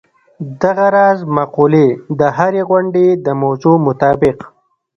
دغه راز مقولې د هرې غونډې د موضوع مطابق.